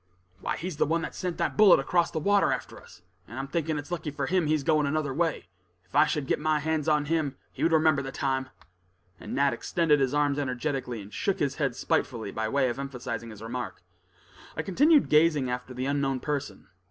"Why he's the one that sent that bullet across the water after us, and I'm thinking it's lucky for him, he's going another way. If I should get my hands on him, he would remember the time." And Nat extended his arms energetically, and shook his head spitefully by way of emphasizing his remark. I continued gazing after the unknown person.